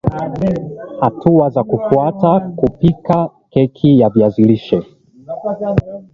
Hatua za kufuata kupikia keki ya viazi lishe